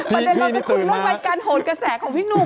ประเด็นเราจะขุดเรื่องรายการโหนกระแสของพี่หนุ่ม